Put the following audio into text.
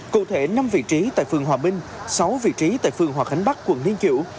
cụ thể năm vị trí tại phường hòa minh sáu vị trí tại phường hòa khánh bắc quận liên kiểu